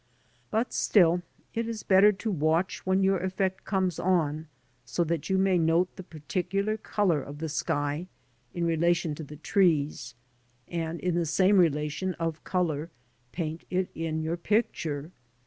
But still it is better to watch when your effect comes on, so that you may note the particular colour of the sky in relation to the trees, and in the same relation of colour paint it in your picture.